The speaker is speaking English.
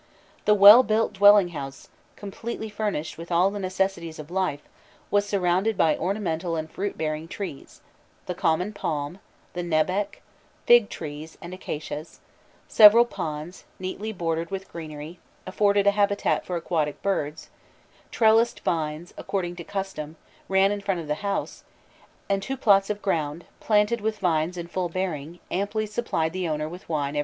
The well built dwelling house, completely furnished with all the necessities of life, was surrounded by ornamental and fruit bearing trees, the common palm, the nebbek, fig trees, and acacias; several ponds, neatly bordered with greenery, afforded a habitat for aquatic birds; trellised vines, according to custom, ran in front of the house, and two plots of ground, planted with vines in full bearing, amply supplied the owner with wine every year.